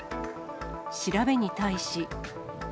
調べに対し。